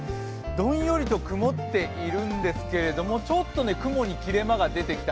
どんよりと曇っているんですけどちょっと雲に切れ間が出てきた